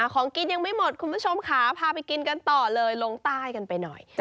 ของกินยังไม่หมดคุณผู้ชมค่ะพาไปกินกันต่อเลยลงใต้กันไปหน่อย